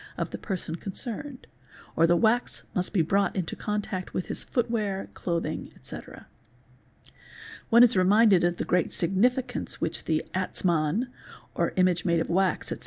of the person concerned, or the wax must be brought into contact with his _ footwear, clothes, etc. One is reminded of the great significance which the " Atzmann " "3 9 or image made of wax, etc.